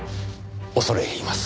恐れ入ります。